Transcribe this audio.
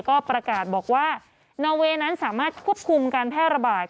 ก็ประกาศบอกว่านอเวย์นั้นสามารถควบคุมการแพร่ระบาด